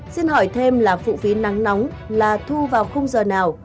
xin hỏi thêm là phụ phí nắng nóng là thu vào khung giờ nào